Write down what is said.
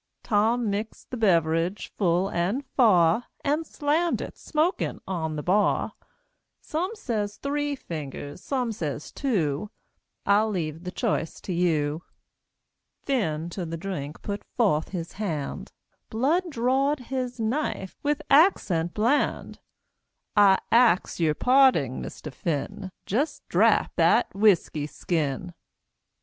Tom mixed the beverage full and fa'r, And slammed it, smoking, on the bar. Some says three fingers, some says two, I'll leave the choice to you. Phinn to the drink put forth his hand; Blood drawed his knife, with accent bland, "I ax yer parding, Mister Phinn Jest drap that whisky skin."